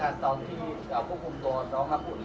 เห็นว่าพ่อกับแม่เนี่ยพาออกจากคุณตัวนี้